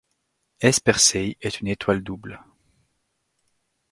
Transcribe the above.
S Persei est une étoile double.